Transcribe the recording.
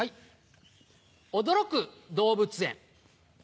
驚く動物園。